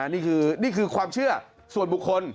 นี่คือความเชื่อส่วนบุคคล